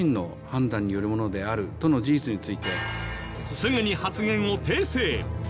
すぐに発言を訂正。